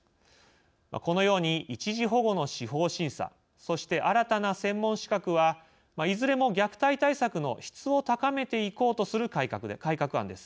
このように、一時保護の司法審査そして、新たな専門資格はいずれも虐待対策の質を高めていこうとする改革案です。